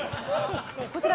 こちら